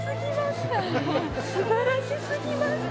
すばらしすぎます。